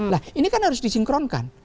nah ini kan harus disinkronkan